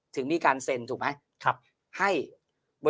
ถึงมีการเซ็นถูกไหม